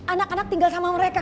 anak anak tinggal sama mereka